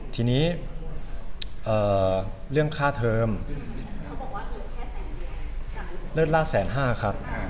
ทีนี้เรื่องค่าเทอมเลิศล่าแสนห้าครับ